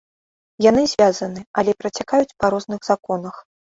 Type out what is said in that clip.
Яны звязаны, але працякаюць па розных законах.